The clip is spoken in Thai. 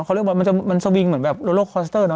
เขาเรียกว่ามันจะมันสวิงเหมือนแบบโลโกสเตอร์เน